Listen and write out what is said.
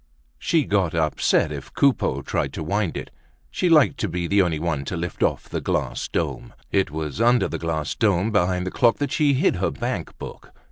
She got upset if Coupeau tried to wind it; she liked to be the only one to lift off the glass dome. It was under the glass dome, behind the clock, that she hid her bank book.